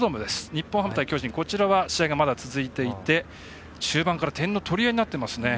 日本ハム対巨人は試合がまだ続いていて中盤から点の取り合いになっていますね。